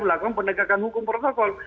melakukan pendekatan hukum protokol